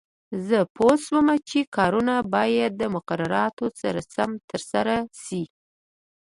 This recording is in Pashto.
زه پوه شوم چې کارونه باید د مقرراتو سره سم ترسره شي.